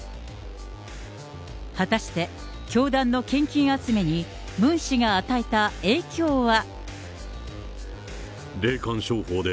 果たして教団の献金集めにムン氏が与えた影響は。